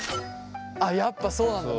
あっやっぱそうなんだ。